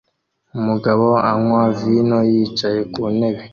Umugabo anywa vino yicaye ku ntebe